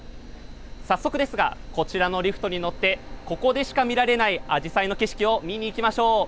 早速ですがこちらのリフトに乗ってここでしか見られないアジサイの景色を見に行きましょう。